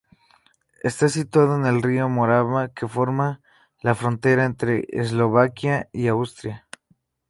Está situado en el río Morava, que forma la frontera entre Eslovaquia y Austria.